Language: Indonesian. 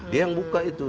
dia yang buka itu